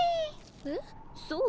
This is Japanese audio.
えっそう？